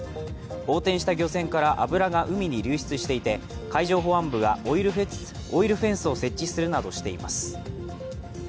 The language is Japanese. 横転した漁船から油が海に流出していて、海上保安部がオイルフェンスを設置するなどしています。